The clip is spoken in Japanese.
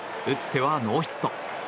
打ってはノーヒット。